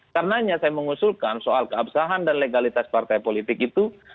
karenanya saya mengusulkan soal keabsahan dan legalitas partai politik itu